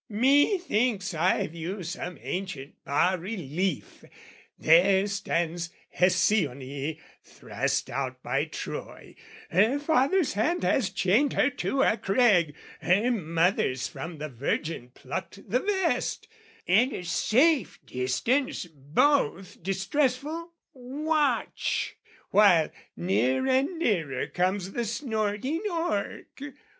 "Methinks I view some ancient bas relief. "There stands Hesione thrust out by Troy, "Her father's hand has chained her to a crag, "Her mother's from the virgin plucked the vest, "At a safe distance both distressful watch, "While near and nearer comes the snorting orc.